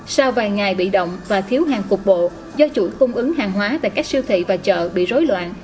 sau vài ngày bị động và thiếu hàng cục bộ do chuỗi cung ứng hàng hóa tại các siêu thị và chợ bị rối loạn